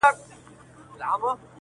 د دوستۍ درته لرمه پیغامونه.!